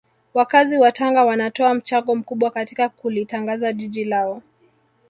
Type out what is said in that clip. Wakazi wa Tanga wanatoa mchango mkubwa katika kulitangaza jiji lao